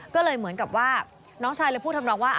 ก็เลยเหมือนกับว่าน้องชายเลยพูดทำนองว่า